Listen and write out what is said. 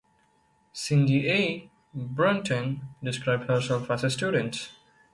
Cindy A. Burton described herself as a student.